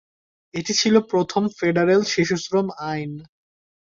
এটি ছিল প্রথম ফেডারেল শিশুশ্রম আইন।